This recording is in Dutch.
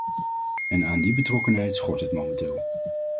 En aan die betrokkenheid schort het momenteel.